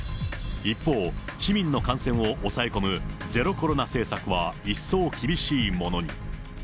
一方、市民の感染を抑え込むゼロコロナ政策は一層厳しいものに。